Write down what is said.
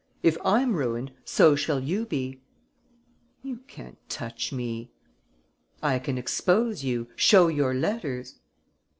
If I'm ruined, so shall you be." "You can't touch me." "I can expose you, show your letters."